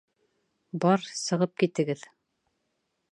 Бар, сығып китегеҙ!